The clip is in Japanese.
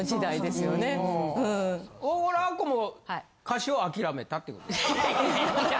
あっこも歌手を諦めたってことですか？